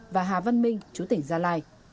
và hà văn minh chú tỉnh gia lai